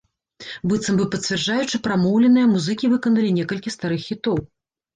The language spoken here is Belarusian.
Быццам бы пацвярджаючы прамоўленае, музыкі выканалі некалькі старых хітоў.